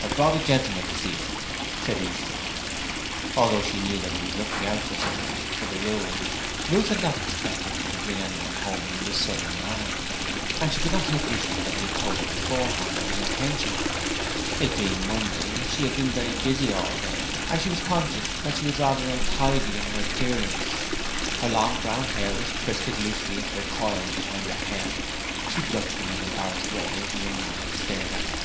'I've brought a gentleman to see you,' said Easton. Although she knew that he was looking out for someone for the room, Ruth had not expected him to bring anyone home in this sudden manner, and she could not help wishing that he had told her beforehand of his intention. It being Monday, she had been very busy all day and she was conscious that she was rather untidy in her appearance. Her long brown hair was twisted loosely into a coil behind her head. She blushed in an embarrassed way as the young man stared at her.